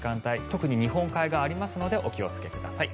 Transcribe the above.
特に日本海側ありますのでお気をつけください。